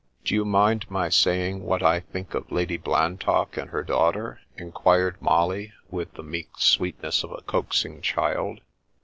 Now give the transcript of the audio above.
" Do you mind my saying what I think of Lady Blantock and her daughter ?" inquired Molly, with Woman Disposes 7 the meek sweetness of a coaxing child.